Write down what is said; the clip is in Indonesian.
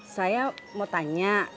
saya mau tanya